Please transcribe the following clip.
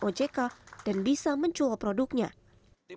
ojk mencatat sejauh ini baru empat puluh perusahaan teknologi